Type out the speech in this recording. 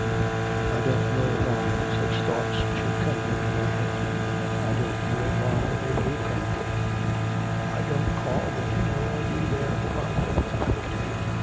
I don't know why such thoughts should come into my head, I don't know why they do come, I don't call them nor do their promptings affect me.